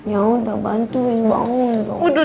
yaudah bantuin bangun dong